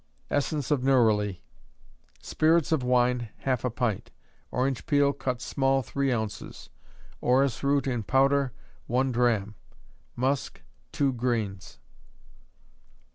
Essence of Neroli. Spirits of wine, half a pint; orange peel, cut small, three ounces; orris root in powder, one drachm; musk, two grains.